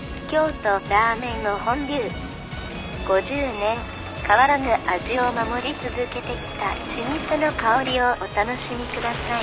「５０年変わらぬ味を守り続けてきた老舗の香りをお楽しみください」